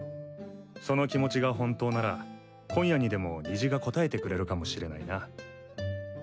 その気持ちが本当なら今夜にでも虹が応えてくれるかもしれないな。